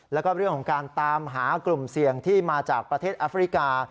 แล้วก็เรื่องของการตามหากลุ่มเสี่ยงที่มาจากประเทศแอฟริกา